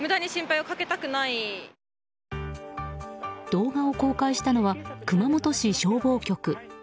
動画を公開したのは熊本市消防局。